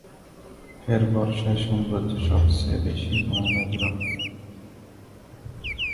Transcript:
এর বর্ষায় সৌন্দর্য সবচেয়ে বেশি নয়নাভিরাম।